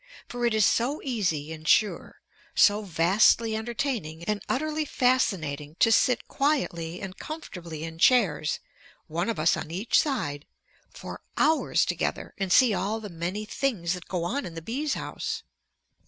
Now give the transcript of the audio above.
For it is so easy and sure, so vastly entertaining and utterly fascinating to sit quietly and comfortably in chairs (one of us on each side) for hours together and see all the many things that go on in the bee's house.